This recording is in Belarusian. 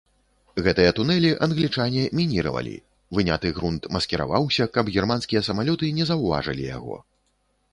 Гэтыя тунэлі англічане мініравалі, выняты грунт маскіраваўся, каб германскія самалёты не заўважылі яго.